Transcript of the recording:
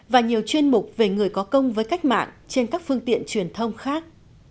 và nhiều chuyên mục về người có công với cách mạng trên các phương tiện truyền thông khác